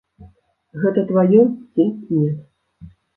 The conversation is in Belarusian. Гэта тваё ці не.